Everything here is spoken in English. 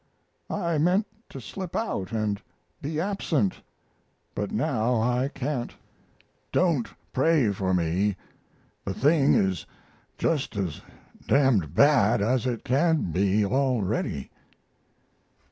I meant to slip out and be absent, but now I can't. Don't pray for me. The thing is just as d d bad as it can be already.